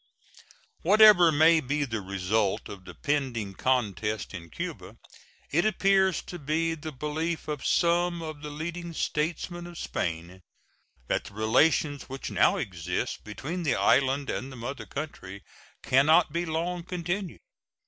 Whatever may be the result of the pending contest in Cuba, it appears to be the belief of some of the leading statesmen of Spain that the relations which now exist between the island and the mother country can not be long continued.